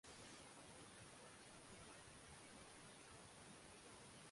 walianza kufyatua mizinga yao na kuua watu kadhaa ndani ya mji